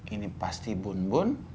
ini pasti bun bun